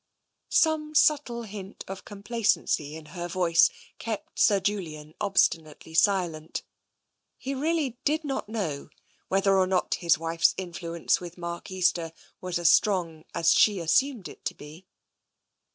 Some subtle hint of complacency in her voice kept Sir Julian obstinately silent. He really did not know whether or not his wife's influence with Mark Easter was as strong as she assumed it to be.